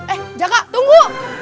eh jaka tunggu